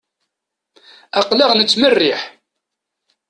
Aql-aɣ nettmerriḥ.